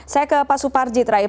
saya ke pak suparji terakhir